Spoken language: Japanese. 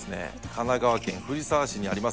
神奈川県藤沢市にあります